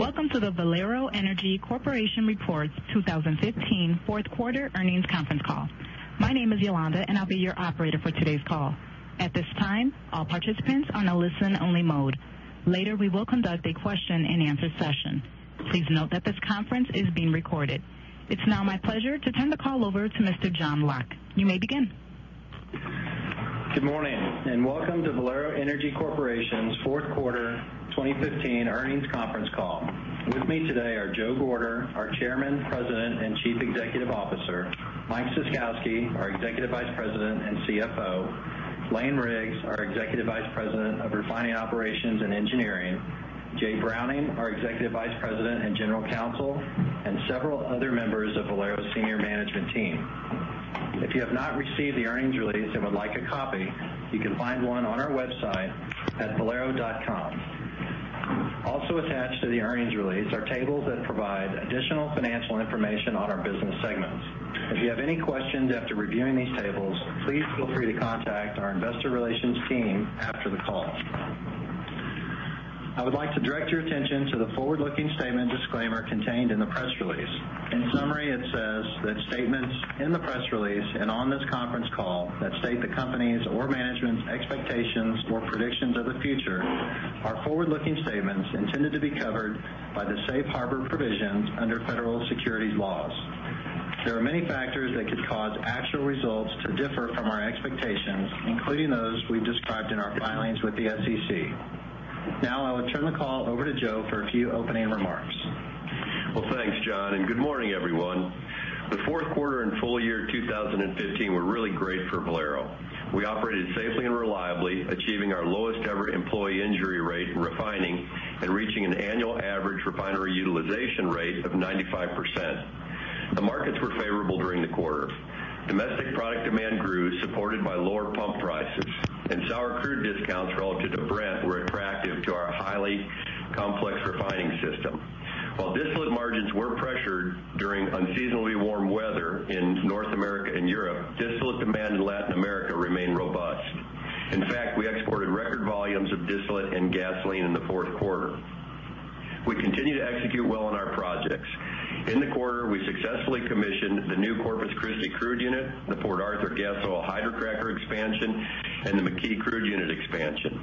Welcome to the Valero Energy Corporation Reports 2015 fourth quarter earnings conference call. My name is Yolanda, and I will be your operator for today's call. At this time, all participants are on a listen-only mode. Later, we will conduct a question-and-answer session. Please note that this conference is being recorded. It is now my pleasure to turn the call over to Mr. John Locke. You may begin. Good morning, welcome to Valero Energy Corporation's fourth quarter 2015 earnings conference call. With me today are Joe Gorder, our Chairman, President, and Chief Executive Officer, Mike Ciskowski, our Executive Vice President and CFO, Lane Riggs, our Executive Vice President of Refining Operations and Engineering, Jay Browning, our Executive Vice President and General Counsel, and several other members of Valero's senior management team. If you have not received the earnings release and would like a copy, you can find one on our website at valero.com. Also attached to the earnings release are tables that provide additional financial information on our business segments. If you have any questions after reviewing these tables, please feel free to contact our investor relations team after the call. I would like to direct your attention to the forward-looking statement disclaimer contained in the press release. In summary, it says that statements in the press release and on this conference call that state the company's or management's expectations or predictions of the future are forward-looking statements intended to be covered by the safe harbor provisions under federal securities laws. There are many factors that could cause actual results to differ from our expectations, including those we've described in our filings with the SEC. I will turn the call over to Joe for a few opening remarks. Well, thanks, John, good morning, everyone. The fourth quarter and full year 2015 were really great for Valero. We operated safely and reliably, achieving our lowest-ever employee injury rate in refining and reaching an annual average refinery utilization rate of 95%. The markets were favorable during the quarter. Domestic product demand grew, supported by lower pump prices, sour crude discounts relative to Brent were attractive to our highly complex refining system. While distillate margins were pressured during unseasonably warm weather in North America and Europe, distillate demand in Latin America remained robust. In fact, we exported record volumes of distillate and gasoline in the fourth quarter. We continue to execute well on our projects. In the quarter, we successfully commissioned the new Corpus Christi crude unit, the Port Arthur gasoil hydrocracker expansion, and the McKee crude unit expansion.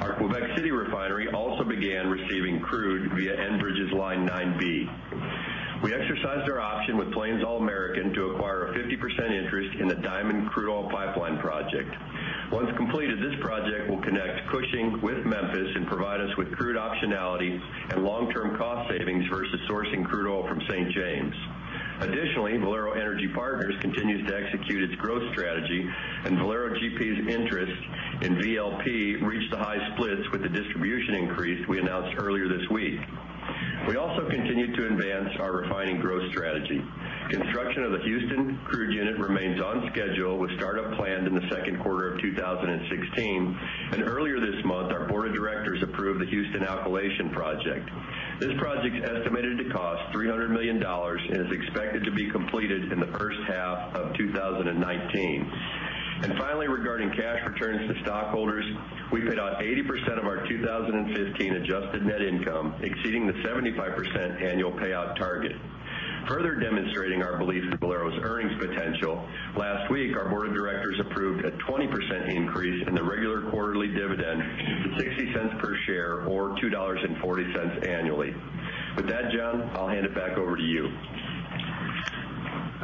Our Quebec City refinery also began receiving crude via Enbridge's Line 9B. We exercised our option with Plains All American to acquire a 50% interest in the Diamond crude oil pipeline project. Once completed, this project will connect Cushing with Memphis and provide us with crude optionality and long-term cost savings versus sourcing crude oil from St. James. Additionally, Valero Energy Partners continues to execute its growth strategy, and Valero GP's interest in VLP reached the highest splits with the distribution increase we announced earlier this week. We also continued to advance our refining growth strategy. Construction of the Houston crude unit remains on schedule with startup planned in the second quarter of 2016. Earlier this month, our board of directors approved the Houston alkylation project. This project is estimated to cost $300 million and is expected to be completed in the first half of 2019. Finally, regarding cash returns to stockholders, we paid out 80% of our 2015 adjusted net income, exceeding the 75% annual payout target. Further demonstrating our belief in Valero's earnings potential, last week, our board of directors approved a 20% increase in the regular quarterly dividend to $0.60 per share or $2.40 annually. With that, John, I'll hand it back over to you.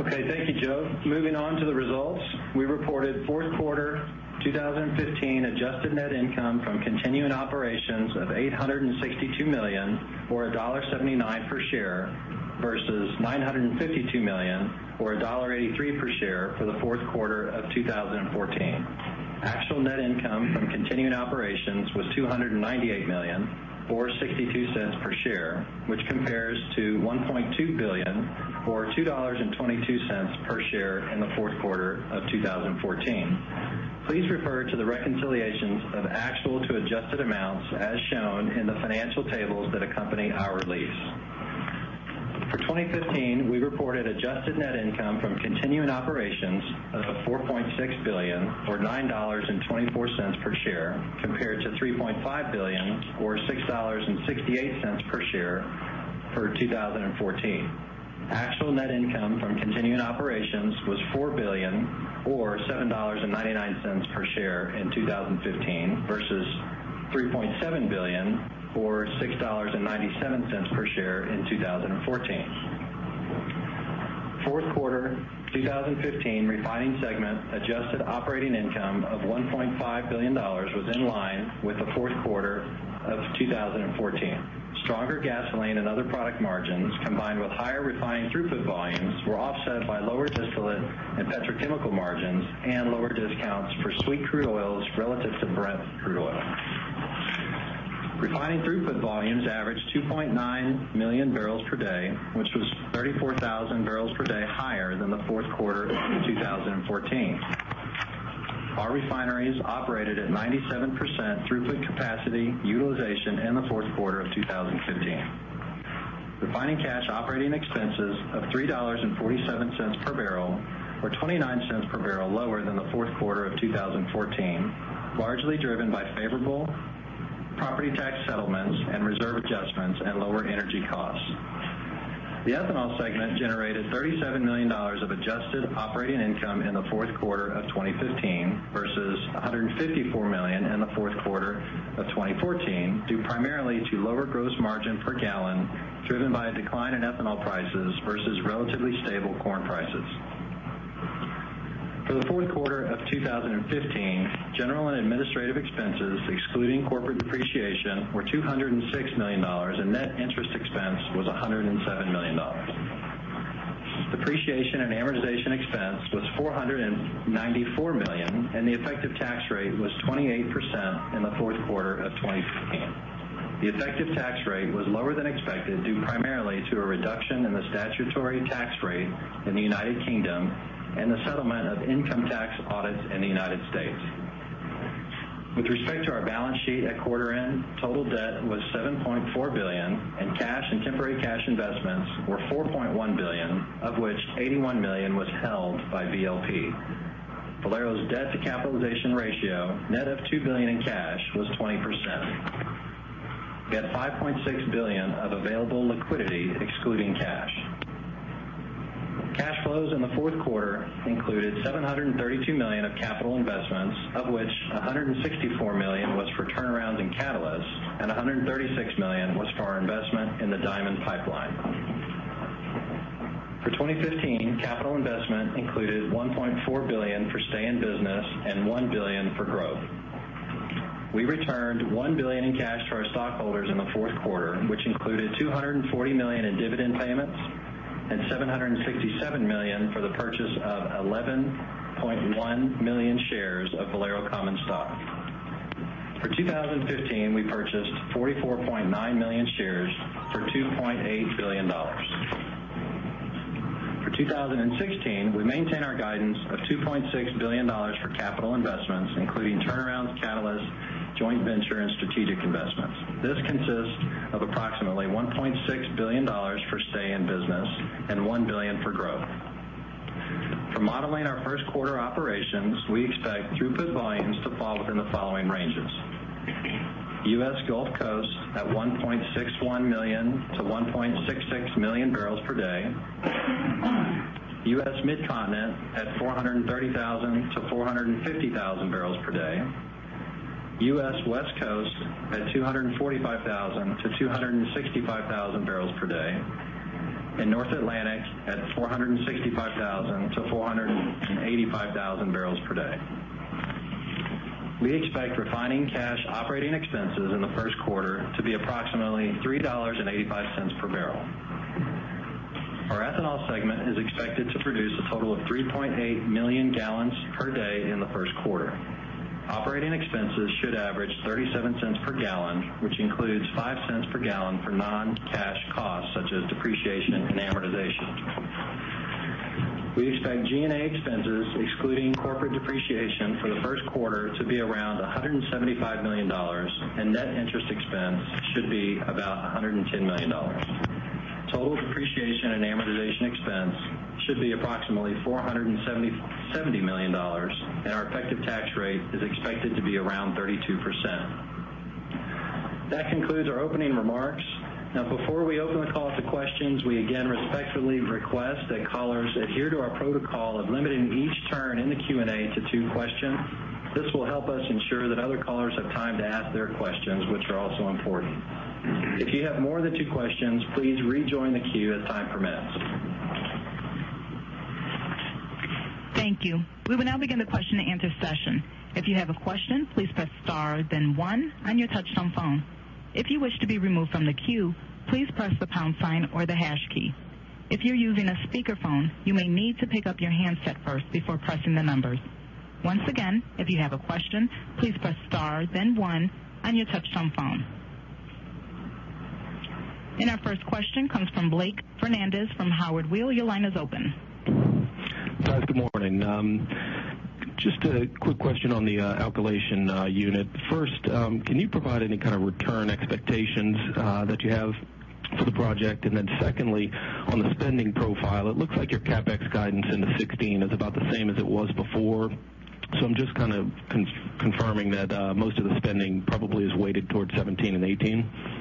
Okay. Thank you, Joe. Moving on to the results. We reported fourth quarter 2015 adjusted net income from continuing operations of $862 million, or $1.79 per share, versus $952 million or $1.83 per share for the fourth quarter of 2014. Actual net income from continuing operations was $298 million, or $0.62 per share, which compares to $1.2 billion or $2.22 per share in the fourth quarter of 2014. Please refer to the reconciliations of actual to adjusted amounts as shown in the financial tables that accompany our release. For 2015, we reported adjusted net income from continuing operations of $4.6 billion or $9.24 per share, compared to $3.5 billion or $6.68 per share for 2014. Actual net income from continuing operations was $4 billion or $7.99 per share in 2015 versus $3.7 billion or $6.97 per share in 2014. Fourth quarter 2015 refining segment adjusted operating income of $1.5 billion was in line with the fourth quarter of 2014. Stronger gasoline and other product margins, combined with higher refining throughput volumes, were offset by lower distillate and petrochemical margins and lower discounts for sweet crude oils relative to Brent crude oil. Refining throughput volumes averaged 2.9 million barrels per day, which was 34,000 barrels per day higher than the fourth quarter of 2014. Our refineries operated at 97% throughput capacity utilization in the fourth quarter of 2015. Refining cash operating expenses of $3.47 per barrel or $0.29 per barrel lower than the fourth quarter of 2014, largely driven by favorable property tax settlements and reserve adjustments and lower energy costs. The ethanol segment generated $37 million of adjusted operating income in the fourth quarter of 2015 versus $154 million in the fourth quarter of 2014, due primarily to lower gross margin per gallon driven by a decline in ethanol prices versus relatively stable corn prices. For the fourth quarter of 2015, general and administrative expenses, excluding corporate depreciation, were $206 million, and net interest expense was $107 million. Depreciation and amortization expense was $494 million, and the effective tax rate was 28% in the fourth quarter of 2015. The effective tax rate was lower than expected, due primarily to a reduction in the statutory tax rate in the United Kingdom and the settlement of income tax audits in the United States. With respect to our balance sheet at quarter end, total debt was $7.4 billion, and cash and temporary cash investments were $4.1 billion, of which $81 million was held by VLP. Valero's debt to capitalization ratio, net of $2 billion in cash, was 20%, yet $5.6 billion of available liquidity excluding cash. Cash flows in the fourth quarter included $732 million of capital investments, of which $164 million was for turnarounds in catalysts and $136 million was for our investment in the Diamond Pipeline. For 2015, capital investment included $1.4 billion for stay-in business and $1 billion for growth. We returned $1 billion in cash to our stockholders in the fourth quarter, which included $240 million in dividend payments and $767 million for the purchase of 11.1 million shares of Valero common stock. For 2015, we purchased 44.9 million shares for $2.8 billion. For 2016, we maintain our guidance of $2.6 billion for capital investments, including turnarounds, catalysts, joint venture, and strategic investments. This consists of approximately $1.6 billion for stay-in business and $1 billion for growth. For modeling our first quarter operations, we expect throughput volumes to fall within the following ranges: U.S. Gulf Coast at 1.61 million to 1.66 million barrels per day, U.S. Mid-Continent at 430,000 to 450,000 barrels per day, U.S. West Coast at 245,000 to 265,000 barrels per day, and North Atlantic at 465,000 to 485,000 barrels per day. We expect refining cash operating expenses in the first quarter to be approximately $3.85 per barrel. Our ethanol segment is expected to produce a total of 3.8 million gallons per day in the first quarter. Operating expenses should average $0.37 per gallon, which includes $0.05 per gallon for non-cash costs such as depreciation and amortization. We expect G&A expenses, excluding corporate depreciation for the first quarter, to be around $175 million, and net interest expense should be about $110 million. Total depreciation and amortization expense should be approximately $470 million, and our effective tax rate is expected to be around 32%. That concludes our opening remarks. Now, before we open the call to questions, we again respectfully request that callers adhere to our protocol of limiting each turn in the Q&A to two questions. This will help us ensure that other callers have time to ask their questions, which are also important. If you have more than two questions, please rejoin the queue as time permits. Thank you. We will now begin the question and answer session. If you have a question, please press star then one on your touch-tone phone. If you wish to be removed from the queue, please press the pound sign or the hash key. If you're using a speakerphone, you may need to pick up your handset first before pressing the numbers. Once again, if you have a question, please press star then one on your touch-tone phone. Our first question comes from Blake Fernandez from Howard Weil. Your line is open. Guys, good morning. Just a quick question on the alkylation unit. First, can you provide any kind of return expectations that you have for the project? Secondly, on the spending profile, it looks like your CapEx guidance into 2016 is about the same as it was before. I'm just confirming that most of the spending probably is weighted towards 2017 and 2018.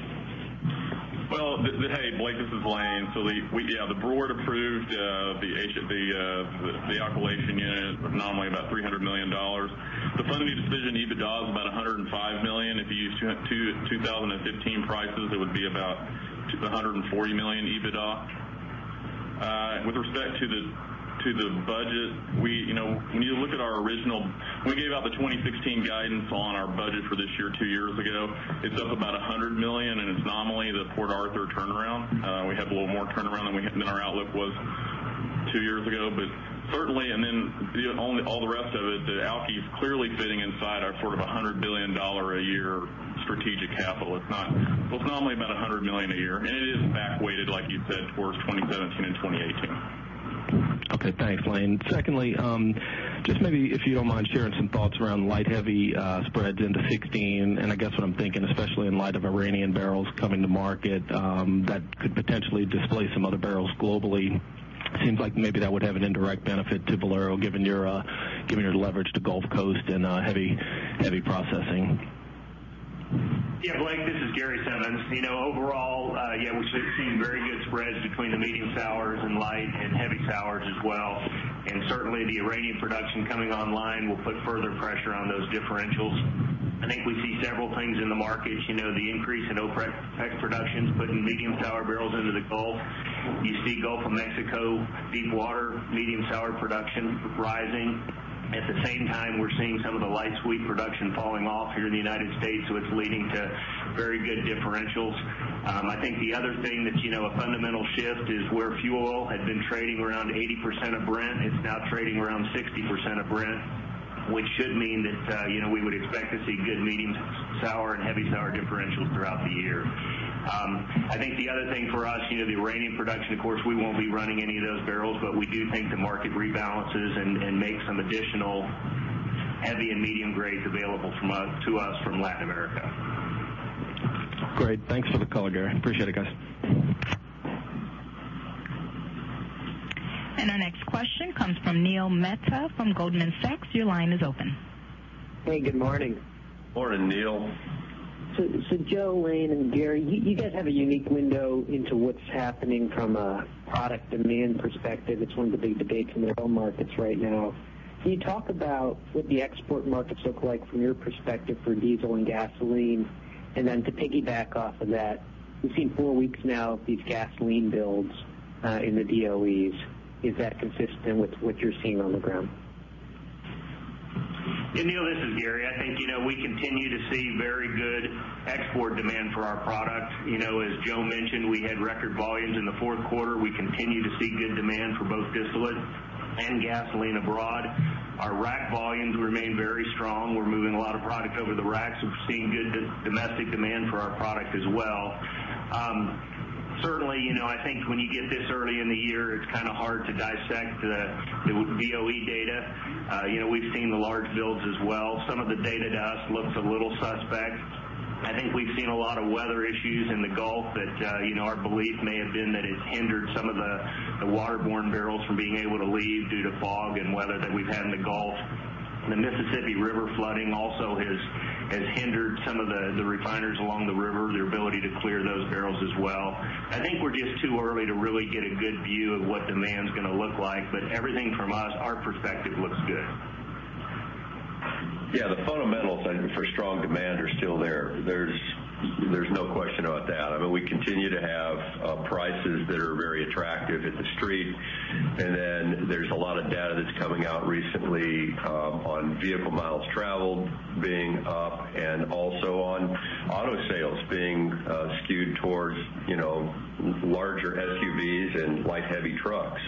Well, hey, Blake, this is Lane. Yeah, the board approved the alkylation unit nominally about $300 million. The front-end decision EBITDA was about $105 million. If you use 2015 prices, it would be about $140 million EBITDA. With respect to the budget, when you look at our original, we gave out the 2016 guidance on our budget for this year two years ago. It's up about $100 million, and it's nominally the Port Arthur turnaround. We have a little more turnaround than our outlook was two years ago, but certainly, all the rest of it, the alky's clearly fitting inside our sort of $1 billion a year strategic capital. It's nominally about $100 million a year, and it is back-weighted, like you said, towards 2017 and 2018. Okay. Thanks, Lane. Secondly, just maybe if you don't mind sharing some thoughts around light heavy spreads into 2016. I guess what I'm thinking, especially in light of Iranian barrels coming to market that could potentially displace some other barrels globally, seems like maybe that would have an indirect benefit to Valero given your leverage to Gulf Coast and heavy processing. Yeah, Blake, this is Gary Simmons. Overall, we've seen very good spreads between the medium sours and light and heavy sours as well. Certainly the Iranian production coming online will put further pressure on those differentials. I think we see several things in the market. The increase in OPEC production is putting medium sour barrels into the Gulf. You see Gulf of Mexico deep water medium sour production rising. At the same time, we're seeing some of the light sweet production falling off here in the United States, so it's leading to very good differentials. I think the other thing that's a fundamental shift is where fuel oil had been trading around 80% of Brent, it's now trading around 60% of Brent, which should mean that we would expect to see good medium sour and heavy sour differentials throughout the year. I think the other thing for us, the Iranian production, of course, we won't be running any of those barrels, but we do think the market rebalances and makes some additional heavy and medium grades available to us from Latin America. Great. Thanks for the color, Gary. Appreciate it, guys. Our next question comes from Neil Mehta from Goldman Sachs. Your line is open. Hey, good morning. Morning, Neil. Joe, Lane, and Gary, you guys have a unique window into what's happening from a product demand perspective. It's one of the big debates in the oil markets right now. Can you talk about what the export markets look like from your perspective for diesel and gasoline? Then to piggyback off of that, we've seen four weeks now of these gasoline builds in the DOEs. Is that consistent with what you're seeing on the ground? Yeah, Neil, this is Gary. I think we continue to see very good export demand for our product. As Joe mentioned, we had record volumes in the fourth quarter. We continue to see good demand for both distillate and gasoline abroad. Our rack volumes remain very strong. We're moving a lot of product over the racks. We've seen good domestic demand for our product as well. Certainly, I think when you get this early in the year, it's kind of hard to dissect the DOE data. We've seen the large builds as well. Some of the data to us looks a little suspect. I think we've seen a lot of weather issues in the Gulf that our belief may have been that it hindered some of the waterborne barrels from being able to leave due to fog and weather that we've had in the Gulf. The Mississippi River flooding also has hindered some of the refiners along the river, their ability to clear those barrels as well. I think we're just too early to really get a good view of what demand's going to look like. Everything from us, our perspective looks good. Yeah. The fundamentals I think for strong demand are still there. There's no question about that. I mean, we continue to have prices that are very attractive at the street, there's a lot of data that's coming out recently on vehicle miles traveled being up and also on auto sales being skewed towards larger SUVs and light heavy trucks.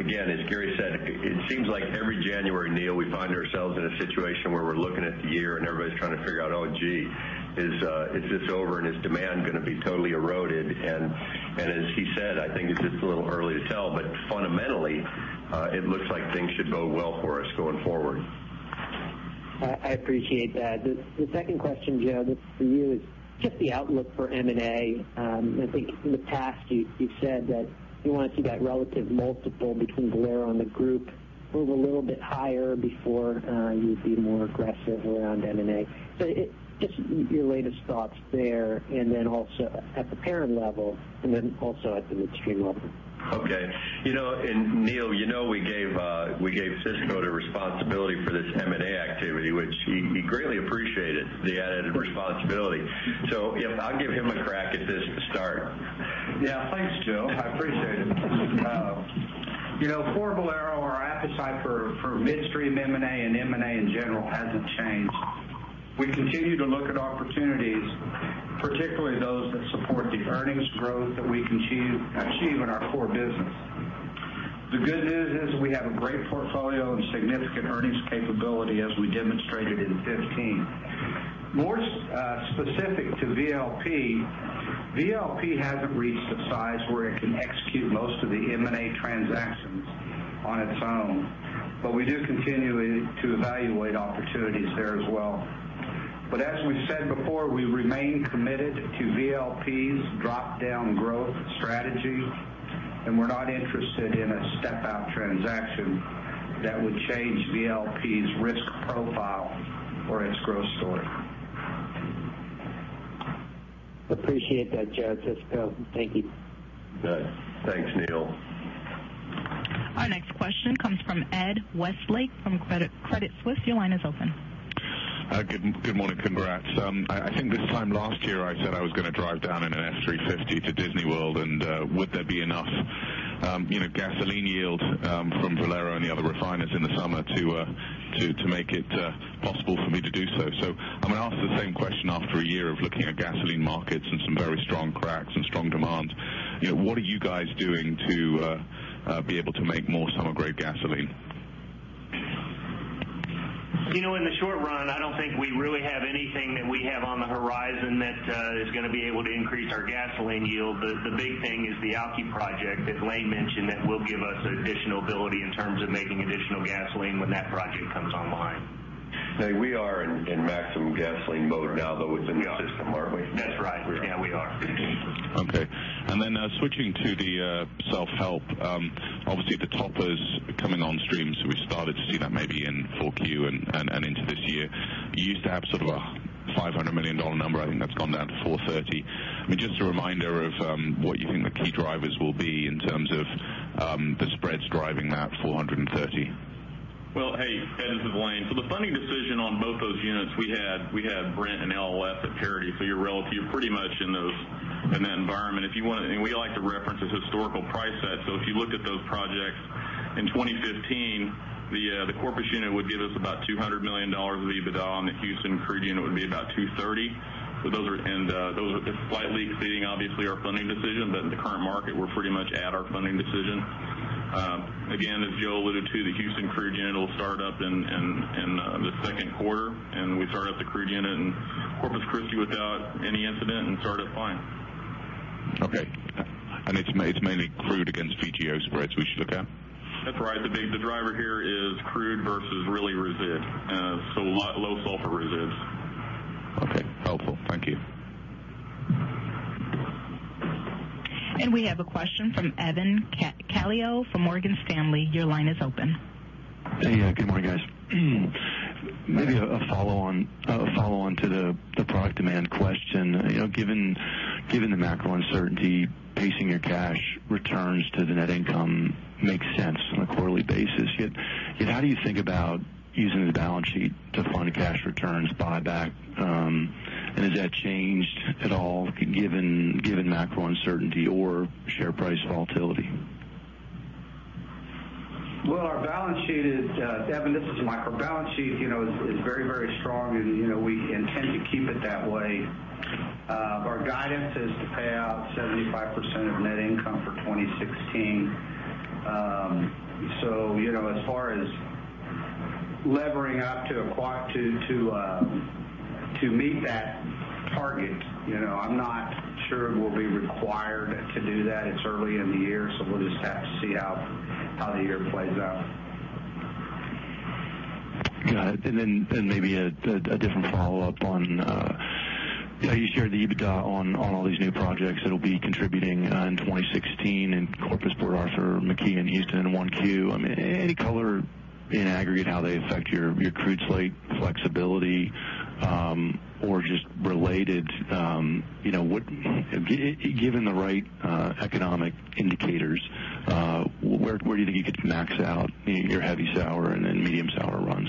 Again, as Gary said, it seems like every January, Neil, we find ourselves in a situation where we're looking at the year and everybody's trying to figure out, oh, gee, is this over and is demand going to be totally eroded? As he said, I think it's just a little early to tell, but fundamentally, it looks like things should bode well for us going forward. I appreciate that. The second question, Joe, this is for you, is just the outlook for M&A. I think in the past you've said that you want to see that relative multiple between Valero and the group move a little bit higher before you would be more aggressive around M&A. Just your latest thoughts there, also at the parent level, also at the midstream level. Okay. Neil, Michael Ciskowski If I'll give him a crack at this to start. Yeah. Thanks, Joe. I appreciate it. For Valero, our appetite for midstream M&A and M&A in general hasn't changed. We continue to look at opportunities, particularly those that support the earnings growth that we can achieve in our core business. The good news is we have a great portfolio and significant earnings capability as we demonstrated in 2015. More specific to VLP hasn't reached the size where it can execute most of the M&A transactions on its own. We do continue to evaluate opportunities there as well. As we've said before, we remain committed to VLP's drop-down growth strategy, and we're not interested in a step-out transaction that would change VLP's risk profile or its growth story. Appreciate that, Joe, Cisco. Thank you. Good. Thanks, Neil. Our next question comes from Ed Westlake from Credit Suisse. Your line is open. Good morning. Congrats. I think this time last year, I said I was going to drive down in an S350 to Disney World and would there be enough gasoline yield from Valero and the other refiners in the summer to make it possible for me to do so. I'm going to ask the same question after a year of looking at gasoline markets and some very strong cracks and strong demand. What are you guys doing to be able to make more summer-grade gasoline? In the short run, I don't think we really have anything that we have on the horizon that is going to be able to increase our gasoline yield. The big thing is the Alky project that Lane mentioned that will give us additional ability in terms of making additional gasoline when that project comes online. Hey, we are in maximum gasoline mode now, though, within the system, aren't we? That's right. Yeah, we are. Okay. Switching to the self-help. Obviously, the toppers coming on stream, we've started to see that maybe in full Q and into this year. You used to have sort of a $500 million number. I think that's gone down to $430 million. Just a reminder of what you think the key drivers will be in terms of the spreads driving that $430 million. Hey, Ed, this is Lane. The funding decision on both those units, we had Brent and LLS at parity, you're pretty much in that environment. We like to reference this historical price set. If you look at those projects in 2015, the Corpus unit would give us about $200 million of EBITDA, and the Houston crude unit would be about $230 million. Those are slightly exceeding, obviously, our funding decision. In the current market, we're pretty much at our funding decision. As Joe alluded to, the Houston crude unit will start up in the second quarter, and we start up the crude unit in Corpus Christi without any incident and start it fine. Okay. It's mainly crude against VGO spreads we should look at? That's right. The big driver here is crude versus really resid. Low sulfur resid. Okay. Helpful. Thank you. We have a question from Evan Calio from Morgan Stanley. Your line is open. Hey. Good morning, guys. Maybe a follow-on to the product demand question. Given the macro uncertainty, pacing your cash returns to the net income makes sense on a quarterly basis. Has that changed at all given macro uncertainty or share price volatility? Well, Evan, this is Mike. Our balance sheet is very strong, and we intend to keep it that way. Our guidance is to pay out 75% of net income for 2016. As far as levering up to meet that target, I'm not sure we'll be required to do that. It's early in the year, we'll just have to see how the year plays out. Got it. Then maybe a different follow-up on, you shared the EBITDA on all these new projects that'll be contributing in 2016 in Corpus, Port Arthur, McKee, Houston in 1Q. Any color in aggregate how they affect your crude slate flexibility or just related, given the right economic indicators where do you think you could max out your heavy sour and then medium sour runs?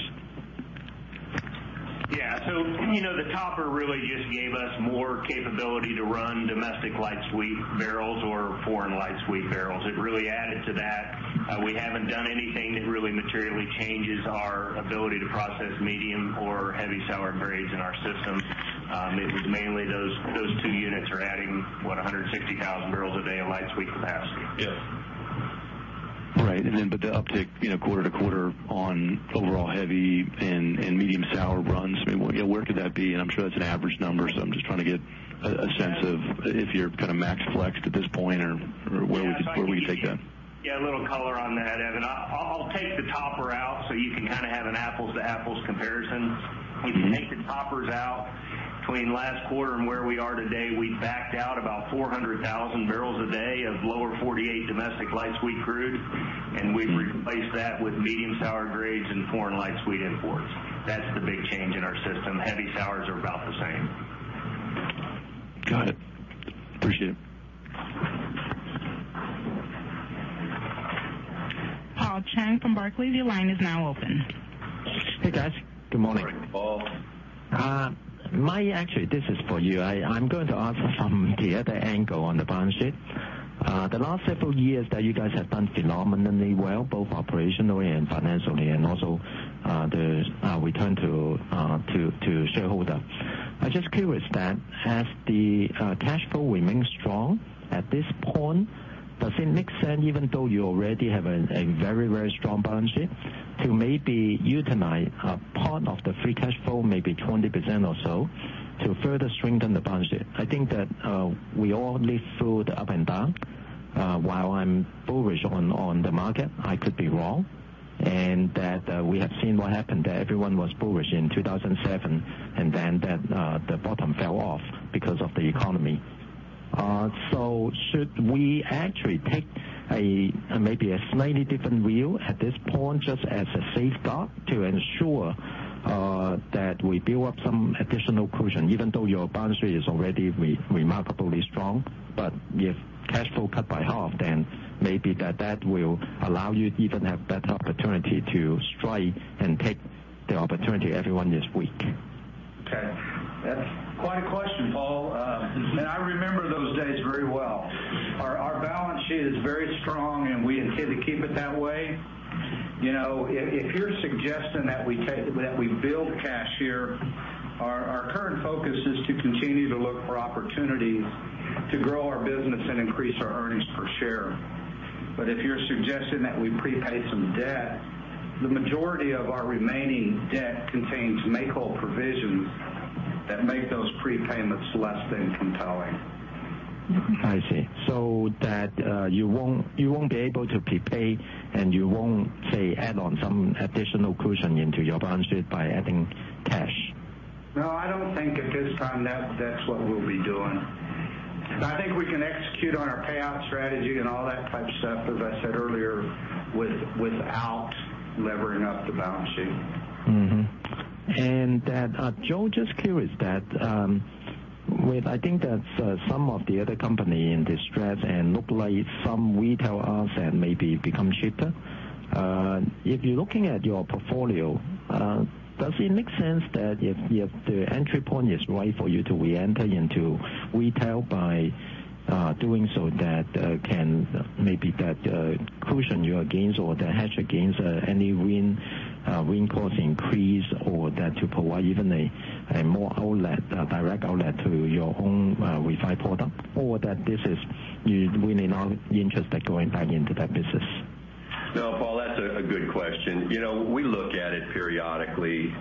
Yeah. The topper really just gave us more capability to run domestic light sweet barrels or foreign light sweet barrels. It really added to that. We haven't done anything that really materially changes our ability to process medium or heavy sour grades in our system. It was mainly those two units are adding 160,000 barrels a day of light sweet capacity. Yes. Right. Then but the uptick quarter to quarter on overall heavy and medium sour runs, where could that be? I'm sure that's an average number, so I'm just trying to get a sense of if you're kind of max flexed at this point or where would you take that? Yeah, a little color on that, Evan. I'll take the topper out so you can have an apples to apples comparison. If you take the toppers out between last quarter and where we are today, we backed out about 400,000 barrels a day of lower 48 domestic light sweet crude, and we've replaced that with medium sour grades and foreign light sweet imports. That's the big change in our system. Heavy sours are about the same. Got it. Appreciate it. Paul Cheng from Barclays, your line is now open. Hey, guys. Good morning. Good morning, Paul. Mike, actually, this is for you. I'm going to ask from the other angle on the balance sheet. The last several years that you guys have done phenomenally well, both operationally and financially, and also the return to shareholder. I'm just curious then, has the cash flow remained strong at this point? Does it make sense, even though you already have a very strong balance sheet, to maybe utilize a part of the free cash flow, maybe 20% or so, to further strengthen the balance sheet? I think that we all live through the up and down. While I'm bullish on the market, I could be wrong, and that we have seen what happened, that everyone was bullish in 2007, and then the bottom fell off because of the economy. Should we actually take maybe a slightly different view at this point, just as a safeguard to ensure that we build up some additional cushion, even though your balance sheet is already remarkably strong? If cash flow cut by half, then maybe that will allow you to even have better opportunity to strike and take the opportunity when everyone this week. Okay. That's quite a question, Paul. I remember those days very well. Our balance sheet is very strong, and we intend to keep it that way. If you're suggesting that we build cash here, our current focus is to continue to look for opportunities to grow our business and increase our earnings per share. If you're suggesting that we prepay some debt, the majority of our remaining debt contains make-whole provisions that make those prepayments less than compelling. I see. You won't be able to prepay, and you won't add on some additional cushion into your balance sheet by adding cash? No, I don't think at this time that's what we'll be doing. I think we can execute on our payout strategy and all that type stuff, as I said earlier, without levering up the balance sheet. Joe, just curious that with, I think that some of the other company in distress and look like some retail asset maybe become cheaper. If you're looking at your portfolio, does it make sense that if the entry point is right for you to re-enter into retail by doing so that can maybe that cushion your gains or the hedge against any RIN cost increase or that you provide even a more direct outlet to your own refinery product? That this is you really not interested going back into that business? No, Paul, that's a good question. We look at it periodically.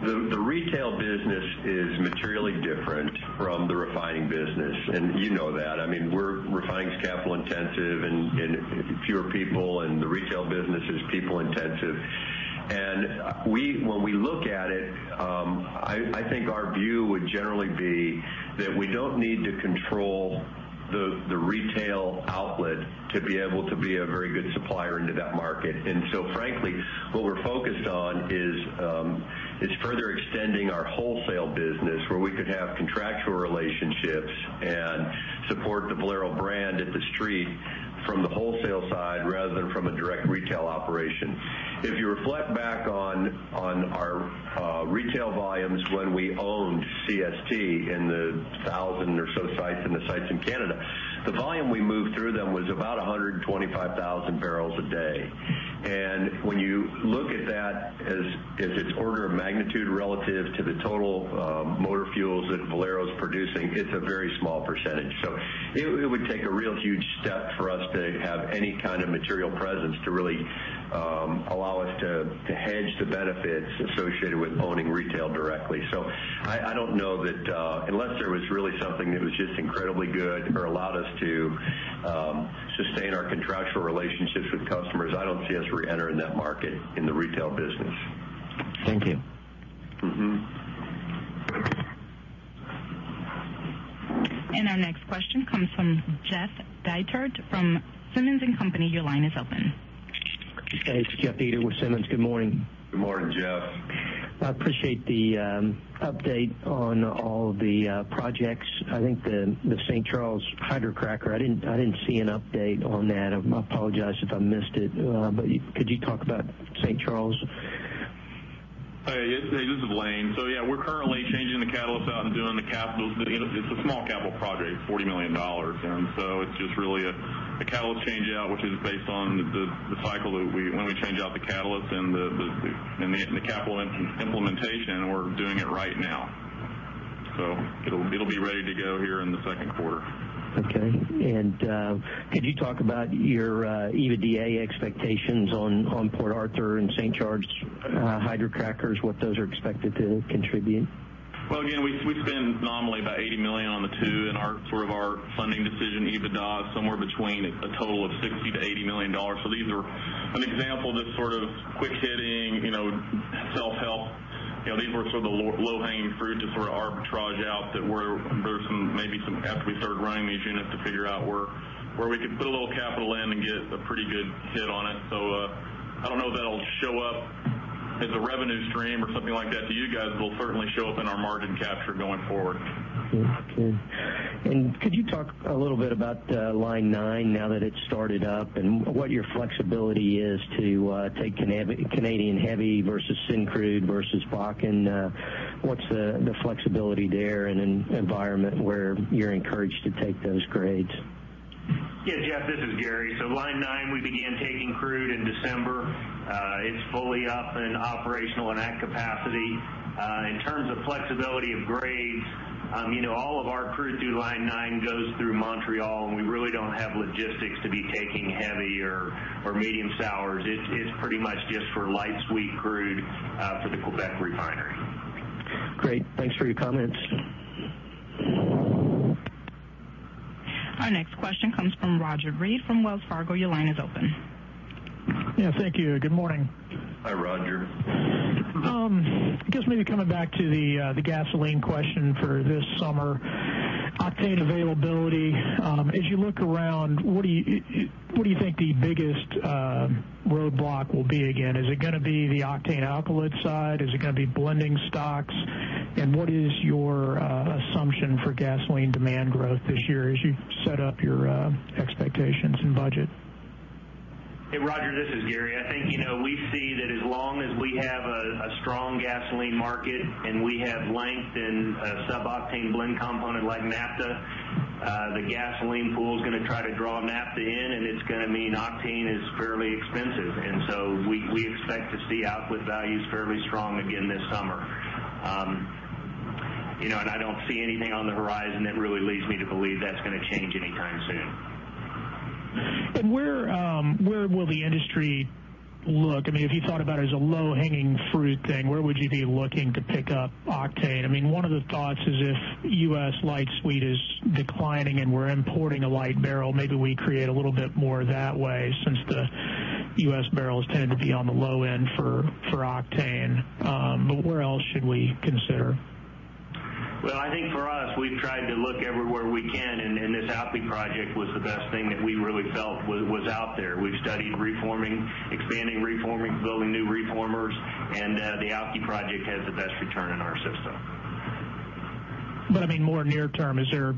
The retail business is materially different from the refining business, and you know that. Refining is capital intensive and fewer people, the retail business is people intensive. When we look at it, I think our view would generally be that we don't need to control the retail outlet to be able to be a very good supplier into that market. Frankly, what we're focused on is further extending our wholesale business where we could have contractual relationships and support the Valero brand at the street from the wholesale side rather than from a direct retail operation. If you reflect back on our retail volumes when we owned CST in the 1,000 or so sites and the sites in Canada, the volume we moved through them was about 125,000 barrels a day. When you look at that as its order of magnitude relative to the total motor fuels that Valero's producing, it's a very small percentage. It would take a real huge step for us to have any kind of material presence to really allow us to hedge the benefits associated with owning retail directly. I don't know that unless there was really something that was just incredibly good or allowed us to sustain our contractual relationships with customers, I don't see us re-entering that market in the retail business. Thank you. Our next question comes from Jeff Dietert from Simmons & Company. Your line is open. It's Jeff Dietert with Simmons. Good morning. Good morning, Jeff. I appreciate the update on all the projects. I think the St. Charles hydrocracker, I didn't see an update on that. I apologize if I missed it. Could you talk about St. Charles? Hey, this is Lane. Yeah, we're currently changing the catalyst out and doing the capital. It's a small capital project, $40 million. It's just really a catalyst change out, which is based on the cycle when we change out the catalyst and the capital implementation, we're doing it right now. It'll be ready to go here in the second quarter. Okay. Could you talk about your EBITDA expectations on Port Arthur and St. Charles hydrocrackers, what those are expected to contribute? Well, again, we spend nominally about $80 million on the two and our funding decision EBITDA is somewhere between a total of $60 million-$80 million. These are an example that's sort of quick-hitting, self-help. These were sort of the low-hanging fruit to sort of arbitrage out that there were maybe some, after we started running these units to figure out where we could put a little capital in and get a pretty good hit on it. I don't know if that'll show up as a revenue stream or something like that to you guys, but it'll certainly show up in our margin capture going forward. Okay. Could you talk a little bit about Line 9 now that it's started up and what your flexibility is to take Canadian heavy versus Syncrude versus Bakken? What's the flexibility there in an environment where you're encouraged to take those grades? Yeah, Jeff, this is Gary. Line 9, we began taking crude in December. It's fully up and operational in that capacity. In terms of flexibility of grades, all of our crude through Line 9 goes through Montreal, and we really don't have logistics to be taking heavy or medium sours. It's pretty much just for light sweet crude for the Quebec refinery. Great. Thanks for your comments. Our next question comes from Roger Read from Wells Fargo. Your line is open. Yeah, thank you. Good morning. Hi, Roger. Just maybe coming back to the gasoline question for this summer. Octane availability. As you look around, what do you think the biggest roadblock will be again? Is it going to be the octane alkylate side? Is it going to be blending stocks? What is your assumption for gasoline demand growth this year as you set up your expectations and budget? Hey, Roger, this is Gary. I think we see that as long as we have a strong gasoline market and we have length in a sub-octane blend component like naphtha, the gasoline pool is going to try to draw naphtha in, and it's going to mean octane is fairly expensive. We expect to see output values fairly strong again this summer. I don't see anything on the horizon that really leads me to believe that's going to change anytime soon. Where will the industry look? If you thought about it as a low-hanging fruit thing, where would you be looking to pick up octane? One of the thoughts is if U.S. light sweet is declining and we're importing a light barrel, maybe we create a little bit more that way, since the U.S. barrels tended to be on the low end for octane. Where else should we consider? Well, I think for us, we've tried to look everywhere we can, and this Alky project was the best thing that we really felt was out there. We've studied reforming, expanding reforming, building new reformers, and the Alky project has the best return in our system. more near term, are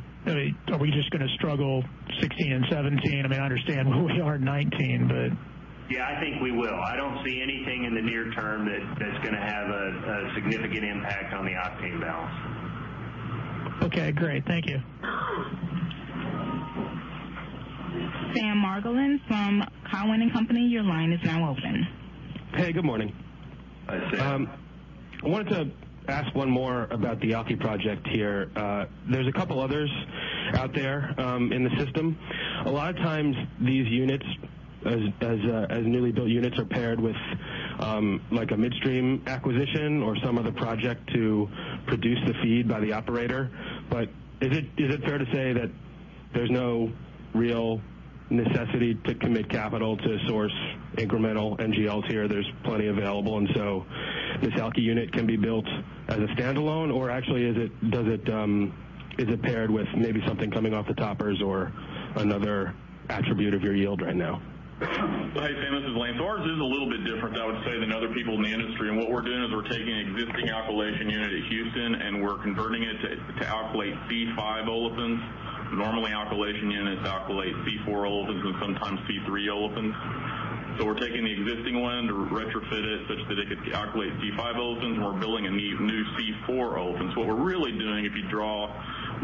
we just going to struggle 2016 and 2017? I understand where we are in 2019. Yeah, I think we will. I don't see anything in the near term that's going to have a significant impact on the octane balance. Okay, great. Thank you. Sam Margolin from Cowen and Company, your line is now open. Hey, good morning. Hi, Sam. I wanted to ask one more about the Alky project here. There's a couple others out there in the system. A lot of times, these units, as newly built units, are paired with a midstream acquisition or some other project to produce the feed by the operator. Is it fair to say that there's no real necessity to commit capital to source incremental NGLs here? There's plenty available, this Alky unit can be built as a standalone, or actually, is it paired with maybe something coming off the toppers or another attribute of your yield right now? Well, hey, Sam, this is Lane. Ours is a little bit different, I would say, than other people in the industry. What we're doing is we're taking an existing alkylation unit at Houston, and we're converting it to alkylate C5 olefins. Normally, alkylation units alkylate C4 olefins and sometimes C3 olefins. We're taking the existing one to retrofit it such that it could alkylate C5 olefins, and we're building a new C4 olefins. What we're really doing, if you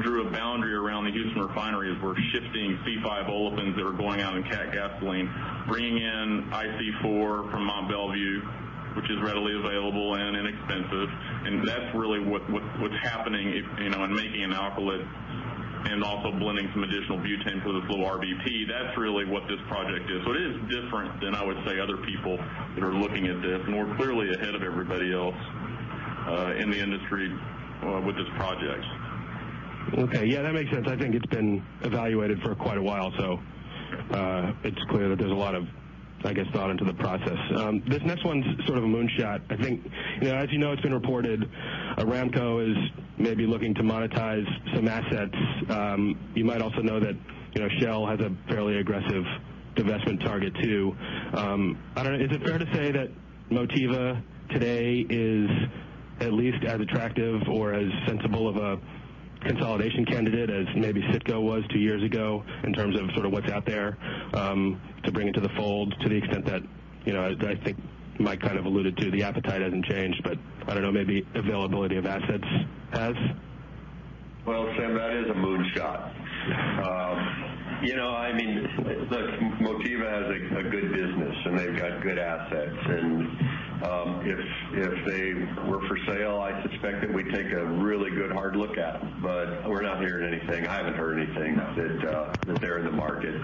drew a boundary around the Houston refinery, is we're shifting C5 olefins that were going out in cat gasoline, bringing in IC4 from Mont Belvieu, which is readily available and inexpensive. That's really what's happening in making an alkylate and also blending some additional butane for this little RVP. That's really what this project is. It is different than, I would say, other people that are looking at this, and we're clearly ahead of everybody else in the industry with this project. Okay. Yeah, that makes sense. I think it's been evaluated for quite a while, so it's clear that there's a lot of thought into the process. This next one's sort of a moonshot. As you know, it's been reported Aramco is maybe looking to monetize some assets. You might also know that Shell has a fairly aggressive divestment target, too. I don't know. Is it fair to say that Motiva today is at least as attractive or as sensible of a consolidation candidate as maybe Citgo was two years ago in terms of what's out there to bring into the fold to the extent that, I think Mike kind of alluded to, the appetite hasn't changed, but I don't know, maybe availability of assets has? Well, Sam, that is a moonshot. Motiva has a good business, and they've got good assets. If they were for sale, I suspect that we'd take a really good hard look at them. We're not hearing anything. I haven't heard anything that they're in the market.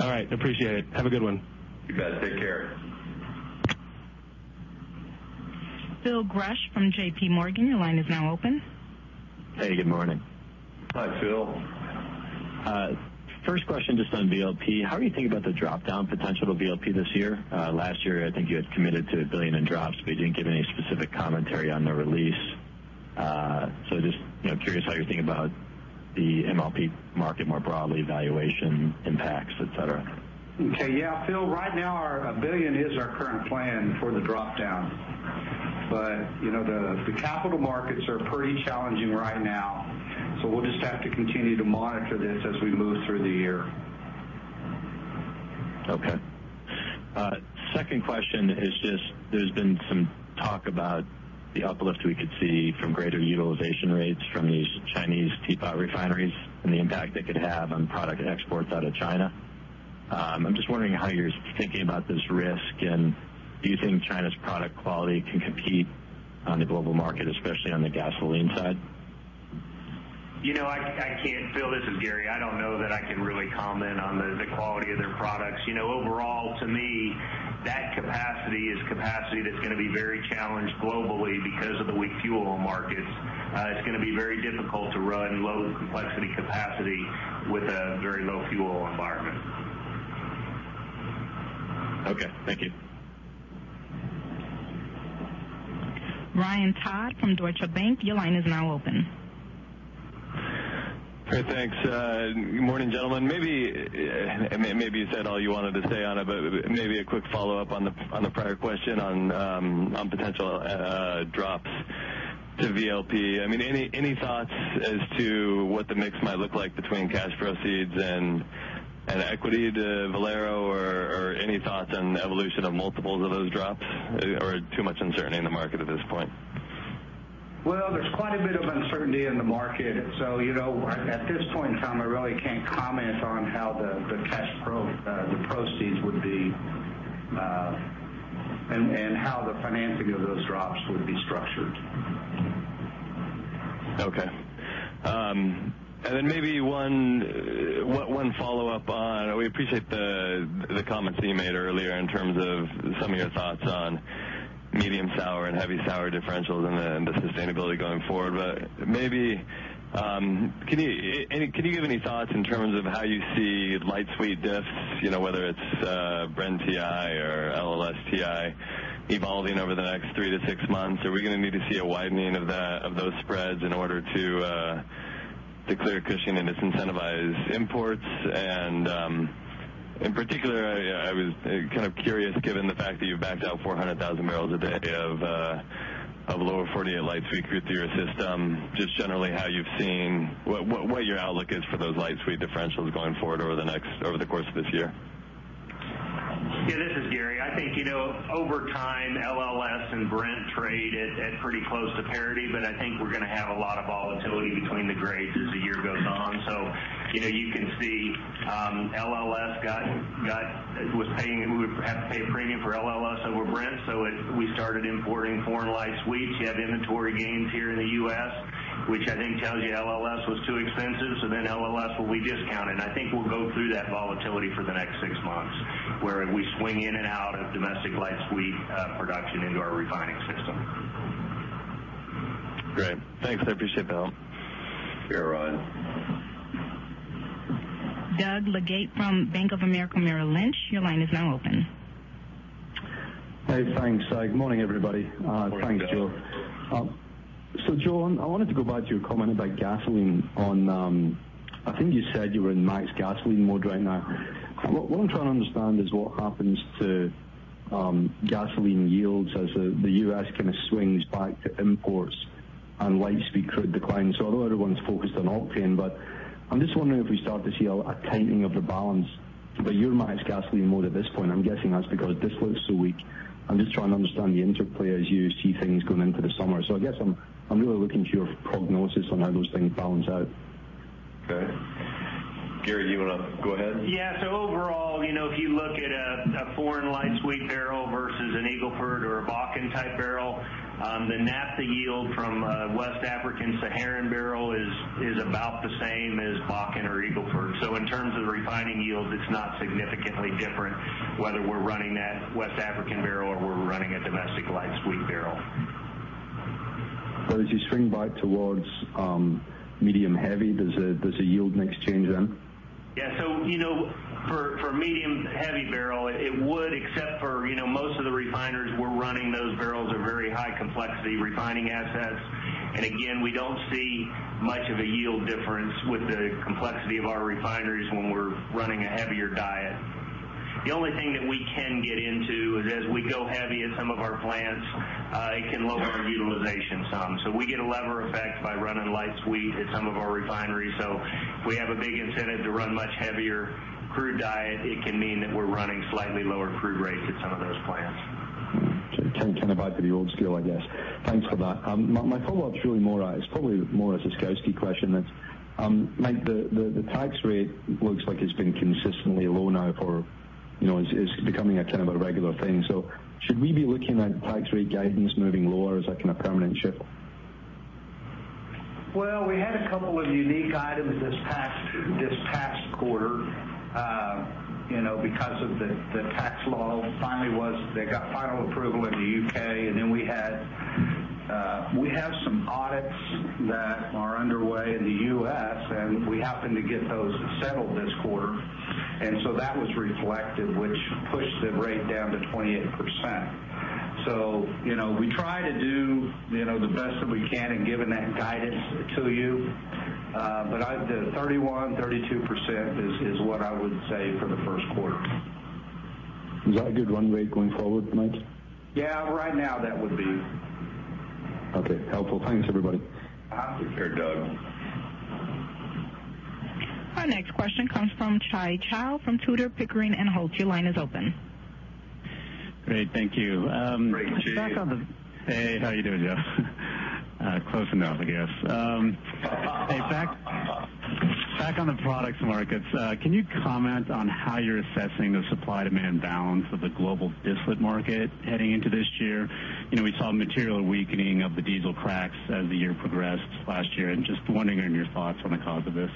All right. Appreciate it. Have a good one. You bet. Take care. Phil Gresh from JPMorgan, your line is now open. Hey, good morning. Hi, Phil. First question, just on VLP. How are you thinking about the drop-down potential to VLP this year? Last year, I think you had committed to $1 billion in drops, you didn't give any specific commentary on the release. Just curious how you're thinking about the MLP market more broadly, valuation impacts, et cetera. Okay. Yeah, Phil, right now, $1 billion is our current plan for the drop-down. The capital markets are pretty challenging right now, we'll just have to continue to monitor this as we move through the year. Okay. Second question is just there's been some talk about the uplift we could see from greater utilization rates from these Chinese teapot refineries and the impact it could have on product exports out of China. I'm just wondering how you're thinking about this risk, do you think China's product quality can compete on the global market, especially on the gasoline side? Phil, this is Gary. I don't know that I can really comment on the quality of their products. Overall, to me, that capacity is capacity that's going to be very challenged globally because of the weak fuel oil markets. It's going to be very difficult to run low-complexity capacity with a very low fuel oil environment. Okay. Thank you. Ryan Todd from Deutsche Bank, your line is now open. Great. Thanks. Good morning, gentlemen. Maybe you said all you wanted to say on it, but maybe a quick follow-up on the prior question on potential drops to VLP. Any thoughts as to what the mix might look like between cash proceeds and equity to Valero, or any thoughts on the evolution of multiples of those drops, or too much uncertainty in the market at this point? Well, there's quite a bit of uncertainty in the market. At this point in time, I really can't comment on how the cash proceeds would be and how the financing of those drops would be structured. Okay. Maybe one follow-up. We appreciate the comments that you made earlier in terms of some of your thoughts on medium sour and heavy sour differentials and the sustainability going forward. Maybe, can you give any thoughts in terms of how you see light sweet diffs, whether it's Brent-WTI or LLS-WTI evolving over the next 3 to 6 months? Are we going to need to see a widening of those spreads in order to clear a cushion and disincentivize imports? In particular, I was kind of curious, given the fact that you backed out 400,000 barrels a day of lower 48 light sweet through your system, just generally what your outlook is for those light sweet differentials going forward over the course of this year? Yeah, this is Gary. I think, over time, LLS and Brent trade at pretty close to parity. I think we're going to have a lot of volatility between the grades as the year goes on. You can see we would have to pay a premium for LLS over Brent. We started importing foreign light sweets. You have inventory gains here in the U.S., which I think tells you LLS was too expensive. LLS will be discounted. I think we'll go through that volatility for the next 6 months, where we swing in and out of domestic light sweet production into our refining system. Great. Thanks. I appreciate the help. You're right. Doug Leggate from Bank of America Merrill Lynch, your line is now open. Hey, thanks. Good morning, everybody. Morning, Doug. Thanks, Joe. Joe, I wanted to go back to your comment about gasoline. I think you said you were in max gasoline mode right now. What I'm trying to understand is what happens to gasoline yields as the U.S. kind of swings back to imports and light sweet crude declines. I know everyone's focused on octane, but I'm just wondering if we start to see a tightening of the balance. You're in max gasoline mode at this point, I'm guessing that's because distillate is so weak. I'm just trying to understand the interplay as you see things going into the summer. I guess I'm really looking to your prognosis on how those things balance out. Okay. Gary, do you want to go ahead? Yeah. Overall, if you look at a foreign light sweet barrel versus an Eagle Ford or a Bakken-type barrel, the naphtha yield from a West African Saharan barrel is about the same as Bakken or Eagle Ford. In terms of refining yields, it's not significantly different whether we're running that West African barrel or we're running a domestic light sweet barrel. As you swing by towards medium heavy, there's a yield mix change then? Yeah. For a medium heavy barrel, it would, except for most of the refineries we're running those barrels are very high complexity refining assets. Again, we don't see much of a yield difference with the complexity of our refineries when we're running a heavier diet. The only thing that we can get into is, as we go heavy at some of our plants, it can lower our utilization some. We get a lever effect by running light sweet at some of our refineries. If we have a big incentive to run much heavier crude diet, it can mean that we're running slightly lower crude rates at some of those plants. Kind of back to the old school, I guess. Thanks for that. My follow-up is probably more a Ciskowski question. Mike, the tax rate looks like it's been consistently low now. It's becoming a kind of a regular thing. Should we be looking at tax rate guidance moving lower as like a permanent shift? Well, we had a couple of unique items this past quarter. Because of the tax law, they got final approval in the U.K., and then we have some audits that are underway in the U.S., and we happened to get those settled this quarter. That was reflected, which pushed the rate down to 28%. We try to do the best that we can in giving that guidance to you. The 31%-32% is what I would say for the first quarter. Is that a good run rate going forward, Mike? Yeah, right now, that would be. Okay. Helpful. Thanks, everybody. Sure, Doug. Our next question comes from Chi Chow from Tudor, Pickering, Holt & Co. Your line is open. Great. Thank you. Great. Chi. Hey, how you doing, Joe? Close enough, I guess. Hey, back on the products markets, can you comment on how you're assessing the supply-demand balance of the global distillate market heading into this year? We saw a material weakening of the diesel cracks as the year progressed last year. I'm just wondering on your thoughts on the cause of this.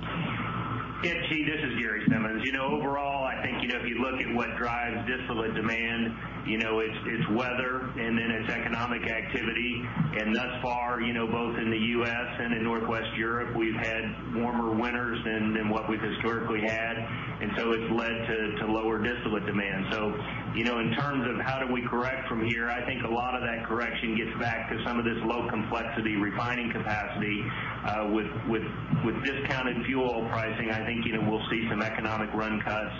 Chi, this is Gary Simmons. Overall, I think, if you look at what drives distillate demand, it's weather, and then it's economic activity. Thus far, both in the U.S. and in Northwest Europe, we've had warmer winters than what we've historically had. It's led to lower distillate demand. In terms of how do we correct from here, I think a lot of that correction gets back to some of this low complexity refining capacity. With discounted fuel pricing, I think we'll see some economic run cuts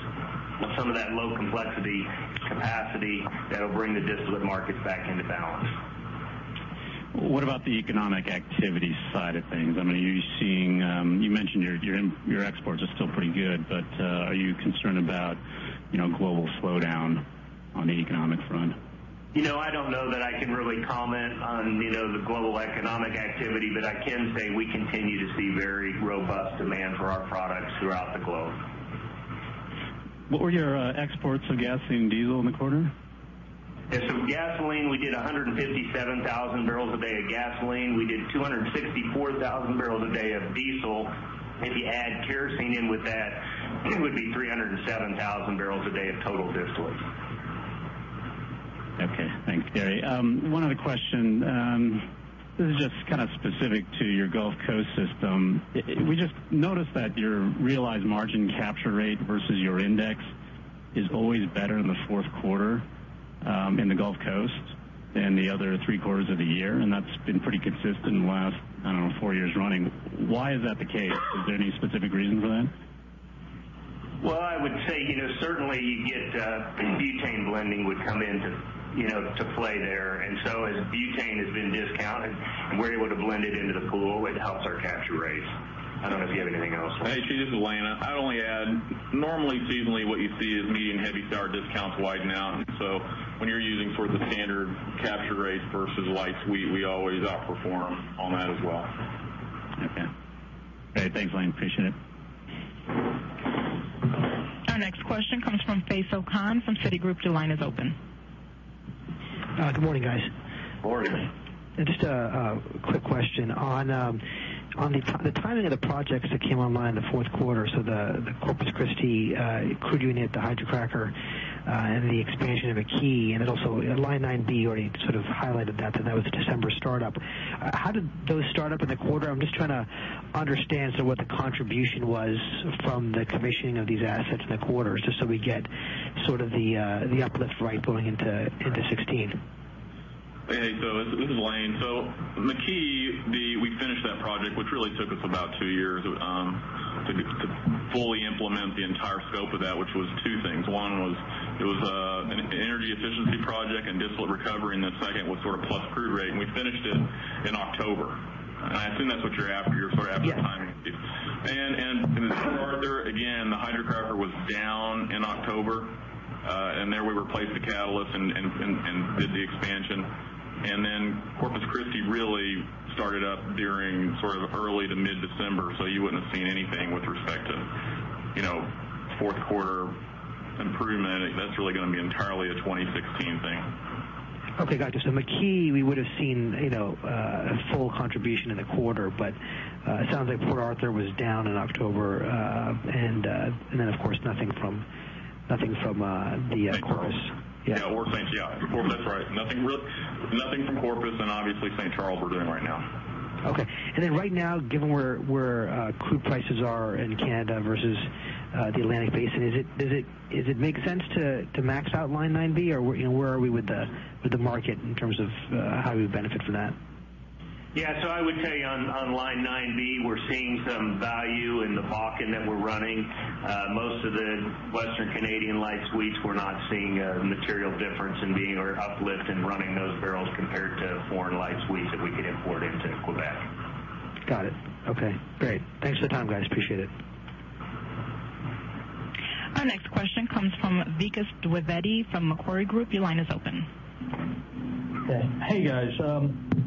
on some of that low complexity capacity that'll bring the distillate markets back into balance. What about the economic activity side of things? You mentioned your exports are still pretty good, but are you concerned about global slowdown? On the economic front. I don't know that I can really comment on the global economic activity, but I can say we continue to see very robust demand for our products throughout the globe. What were your exports of gasoline and diesel in the quarter? Yeah. Gasoline, we did 157,000 barrels a day of gasoline. We did 264,000 barrels a day of diesel. If you add kerosene in with that, it would be 307,000 barrels a day of total distillate. Okay. Thanks, Gary. One other question. This is just specific to your Gulf Coast system. We just noticed that your realized margin capture rate versus your index is always better in the fourth quarter in the Gulf Coast than the other three quarters of the year, and that's been pretty consistent in the last, I don't know, four years running. Why is that the case? Is there any specific reason for that? Well, I would say, certainly, butane blending would come into play there. As butane has been discounted, and we're able to blend it into the pool, it helps our capture rates. I don't know if you have anything else. Hey, this is Lane. I'd only add, normally, seasonally, what you see is medium and heavy sour discounts widen out. When you're using sort of the standard capture rates versus lights, we always outperform on that as well. Okay. All right. Thanks, Lane. Appreciate it. Our next question comes from Faisel Khan from Citigroup. Your line is open. Good morning, guys. Morning. A quick question. On the timing of the projects that came online in the fourth quarter, so the Corpus Christi crude unit, the hydrocracker, and the expansion of the Alky, and also Line 9B, you already highlighted that was a December startup. How did those start up in the quarter? I'm trying to understand what the contribution was from the commissioning of these assets in the quarter, just so we get the uplift going into 2016. This is Lane. The Alky, we finished that project, which took us about two years to fully implement the entire scope of that, which was two things. One was it was an energy efficiency project and distillate recovery, and the second was plus crude rate, and we finished it in October. I assume that's what you're after. You're after the timing piece. Yes. In Port Arthur, again, the hydrocracker was down in October. There we replaced the catalyst and did the expansion. Corpus Christi really started up during early to mid-December, so you wouldn't have seen anything with respect to fourth quarter improvement. That's really going to be entirely a 2016 thing. Okay, got you. McKee, we would've seen a full contribution in the quarter, but it sounds like Port Arthur was down in October. Of course, nothing from the Corpus. Yeah. That's right. Nothing from Corpus, obviously St. Charles we're doing right now. Okay. Right now, given where crude prices are in Canada versus the Atlantic Basin, does it make sense to max out Line 9B, or where are we with the market in terms of how we would benefit from that? Yeah. I would say on Line 9B, we're seeing some value in the Bakken that we're running. Most of the Western Canadian light sweets, we're not seeing a material difference in being or uplift in running those barrels compared to foreign light sweets that we could import into Quebec. Got it. Okay, great. Thanks for the time, guys. Appreciate it. Our next question comes from Vikas Dwivedi from Macquarie Group. Your line is open. Hey. Hey, guys.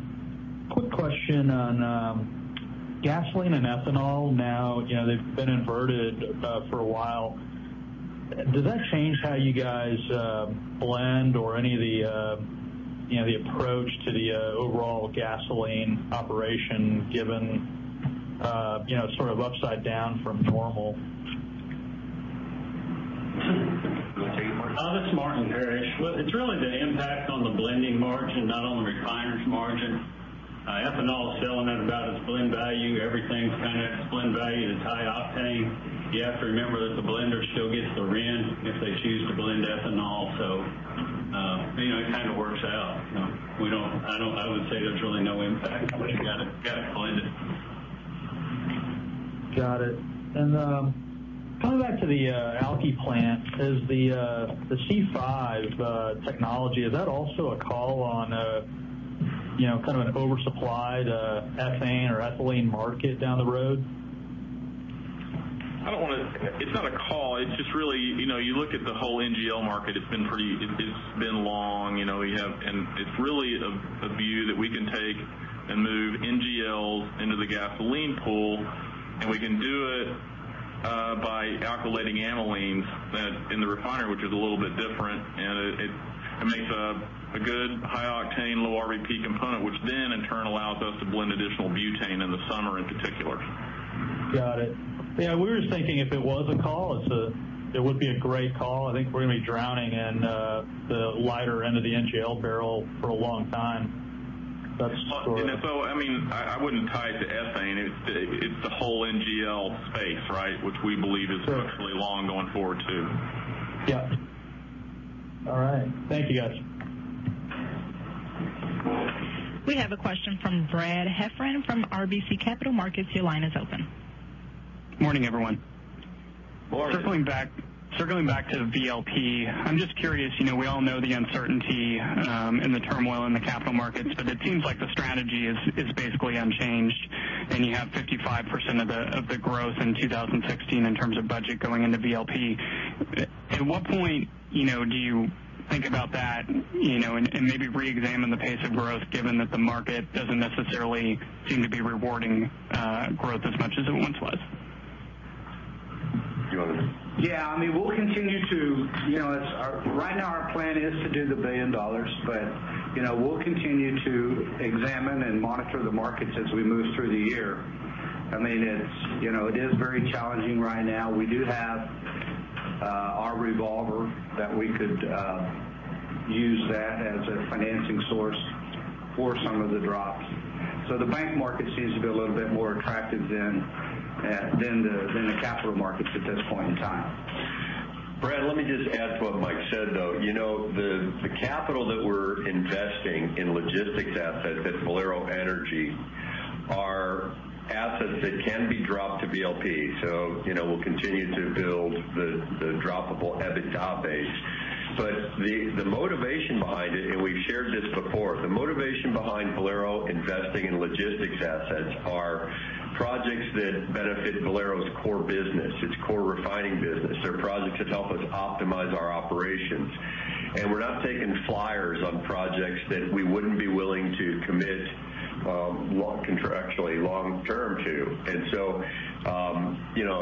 Quick question on gasoline and ethanol. They've been inverted for a while. Does that change how you guys blend or any of the approach to the overall gasoline operation given sort of upside-down from normal? You want to take it, Martin? This is Martin Parrish. Well, it's really the impact on the blending margin, not on the refiner's margin. Ethanol is selling at about its blend value. Everything's kind of at blend value to tie octane. You have to remember that the blender still gets the RIN if they choose to blend ethanol. It kind of works out. I would say there's really no impact. We got to blend it. Got it. Coming back to the Alky plant, is the C5 technology, is that also a call on kind of an oversupplied ethane or ethylene market down the road? It's not a call. It's just really, you look at the whole NGL market, it's been long. It's really a view that we can take and move NGLs into the gasoline pool, and we can do it by alkylating amylenes in the refinery, which is a little bit different, and it makes a good high octane, low RVP component, which then in turn allows us to blend additional butane in the summer in particular. Got it. We were just thinking if it was a call, it would be a great call. I think we're going to be drowning in the lighter end of the NGL barrel for a long time. That's for sure. I wouldn't tie it to ethane. It's the whole NGL space, which we believe is really long going forward, too. Yep. All right. Thank you, guys. We have a question from Brad Heffern from RBC Capital Markets. Your line is open. Morning, everyone. Morning. Circling back to VLP, I'm just curious, we all know the uncertainty and the turmoil in the capital markets, but it seems like the strategy is basically unchanged. You have 55% of the growth in 2016 in terms of budget going into VLP. At what point do you think about that, and maybe reexamine the pace of growth given that the market doesn't necessarily seem to be rewarding growth as much as it once was? You want this? Yeah. Right now our plan is to do the $1 billion, we'll continue to examine and monitor the markets as we move through the year. It is very challenging right now. We do have our revolver that we could use as a financing source for some of the drops. The bank market seems to be a little bit more attractive than the capital markets at this point in time. Brad Heffern, let me just add to what Mike said, though. The capital that we're investing in logistics assets at Valero Energy are assets that can be dropped to VLP. We'll continue to build the droppable EBITDA base. We've shared this before, the motivation behind Valero investing in logistics assets are projects that benefit Valero's core business, its core refining business. They're projects that help us optimize our operations. We're not taking flyers on projects that we wouldn't be willing to commit contractually long-term to.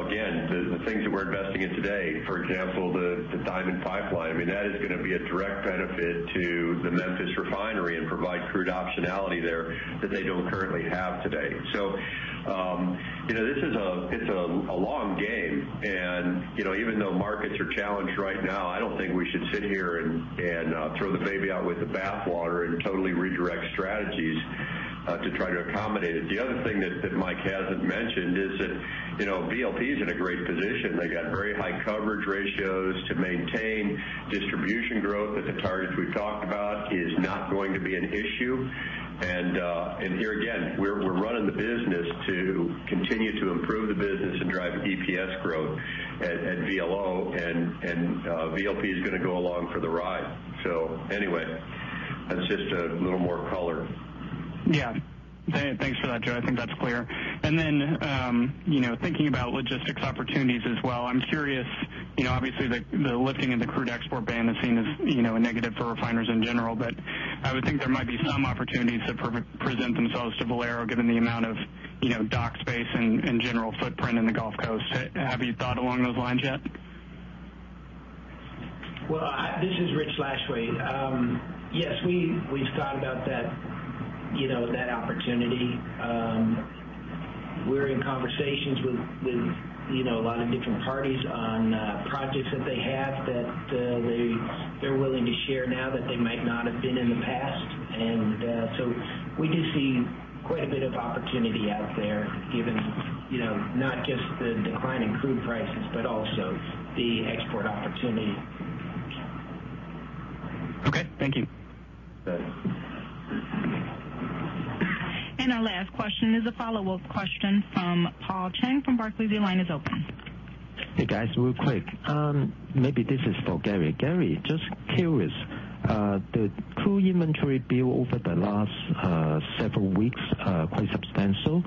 Again, the things that we're investing in today, for example, the Diamond Pipeline, that is going to be a direct benefit to the Memphis refinery and provide crude optionality there that they don't currently have today. This is a long game, and even though markets are challenged right now, I don't think we should sit here and throw the baby out with the bathwater and totally redirect strategies to try to accommodate it. The other thing that Mike hasn't mentioned is that VLP is in a great position. They got very high coverage ratios to maintain distribution growth at the targets we've talked about, is not going to be an issue. Here again, we're running the business to continue to improve the business and drive EPS growth at VLO, and VLP is going to go along for the ride. Anyway, that's just a little more color. Thanks for that, Joe Gorder. I think that's clear. Then, thinking about logistics opportunities as well, I'm curious. Obviously the lifting of the crude export ban is seen as a negative for refiners in general, but I would think there might be some opportunities that present themselves to Valero, given the amount of dock space and general footprint in the Gulf Coast. Have you thought along those lines yet? Well, this is Rich Lashway. Yes, we've thought about that opportunity. We're in conversations with a lot of different parties on projects that they have that they're willing to share now that they might not have been in the past. We do see quite a bit of opportunity out there given not just the decline in crude prices, but also the export opportunity. Okay. Thank you. Thanks. Our last question is a follow-up question from Paul Cheng from Barclays. Your line is open. Hey, guys. Real quick. Maybe this is for Gary. Gary, just curious, the crude inventory build over the last several weeks, quite substantial.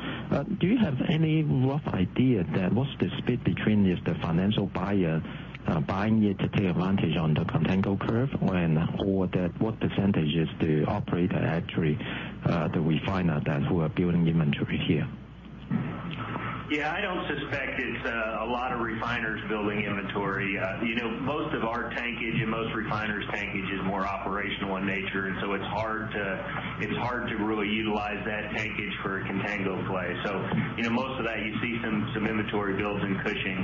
Do you have any rough idea what's the split between if the financial buyer buying it to take advantage on the contango curve or what % is the operator actually the refiner that who are building inventory here? Yeah, I don't suspect it's a lot of refiners building inventory. Most of our tankage and most refiners' tankage is more operational in nature, and so it's hard to really utilize that tankage for a contango play. Most of that, you see some inventory builds in Cushing.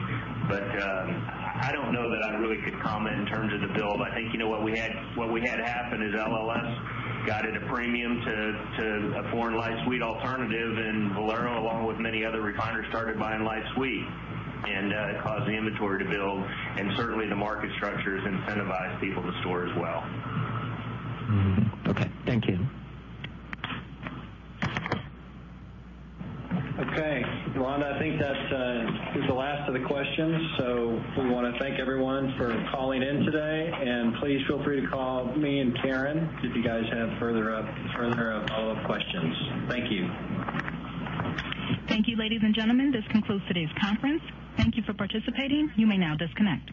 I don't know that I really could comment in terms of the build. I think what we had happen is LLS got at a premium to a foreign light sweet alternative, and Valero, along with many other refiners, started buying light sweet. It caused the inventory to build, and certainly the market structures incentivize people to store as well. Okay. Thank you. Okay. Yolanda, I think that is the last of the questions. We want to thank everyone for calling in today. Please feel free to call me and Karen if you guys have further follow-up questions. Thank you. Thank you, ladies and gentlemen. This concludes today's conference. Thank you for participating. You may now disconnect.